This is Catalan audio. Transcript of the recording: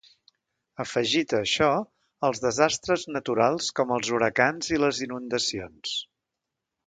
Afegit a això els desastres naturals com els huracans i les inundacions.